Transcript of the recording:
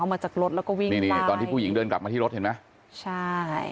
มาจากรถแล้วก็วิ่งนี่นี่ตอนที่ผู้หญิงเดินกลับมาที่รถเห็นไหมใช่